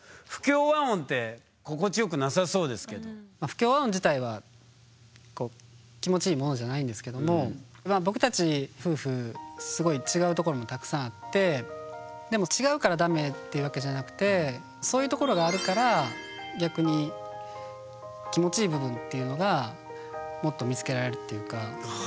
不協和音自体は気持ちいいものじゃないんですけども僕たち夫婦すごい違うところもたくさんあってでも違うからダメっていうわけじゃなくてそういうところがあるから逆に気持ちいい部分っていうのがもっと見つけられるっていうか。